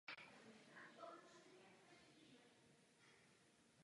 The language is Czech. Pokud ne, proč?